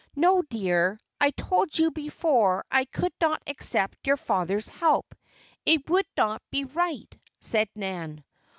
"No, dear, I told you before I could not accept your father's help. It would not be right," said Nan.